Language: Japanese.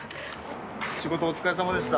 仕事お疲れさまでした。